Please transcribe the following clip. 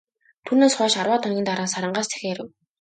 Түүнээс хойш арваад хоногийн дараа, Сарангаас захиа ирэв.